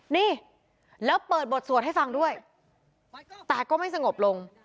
นี่แล้วเปิดบทสวดให้ฟังด้วยแต่ก็ไม่สงบลง